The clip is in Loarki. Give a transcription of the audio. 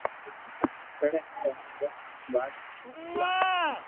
پڙي ھي ھين دس مون ٻاري ڪلاس ۾